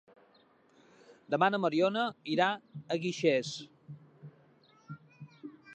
Demà na Mariona irà a Guixers.